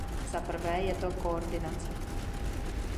Za prvé je to koordinace.